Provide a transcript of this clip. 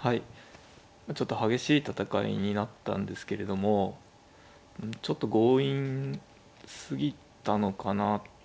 はいちょっと激しい戦いになったんですけれどもちょっと強引すぎたのかなという気もしました。